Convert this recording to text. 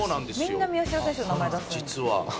みんな宮代選手の名前出すんです。